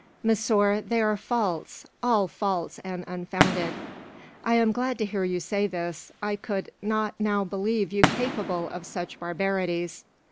"Monsieur, they are false; all false and unfounded." "I am glad to hear you say this. I could not now believe you capable of such barbarities."